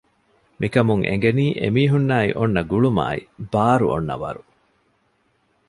މިކަމުން އެނގެނީ އެމީހުންނާއި އޮންނަ ގުޅުމާއި ބާރު އޮންނަ ވަރު